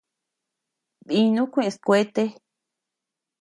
Dinuu kuʼes kuete.